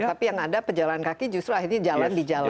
tapi yang ada pejalan kaki justru akhirnya jalan di jalan